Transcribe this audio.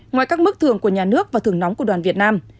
ngoài các mức thưởng của nhà nước và thường nóng của đoàn việt nam